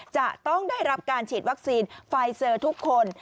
จะต้องได้รับการฉีดวัคซีนไฟเซอร์ทุกคน